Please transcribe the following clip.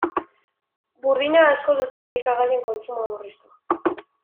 Burdina asko duten elikagaien kontsumoa murriztu.